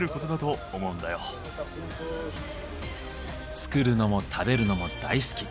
作るのも食べるのも大好き。